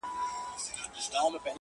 اوس به څوك اوري آواز د پردېسانو٫